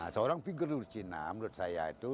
seorang figur rucina menurut saya itu